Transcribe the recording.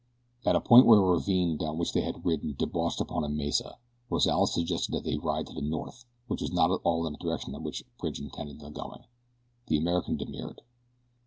At a point where a ravine down which they had ridden debauched upon a mesa Rozales suggested that they ride to the north, which was not at all the direction in which Bridge intended going. The American demurred.